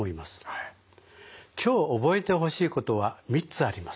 今日覚えてほしいことは３つあります。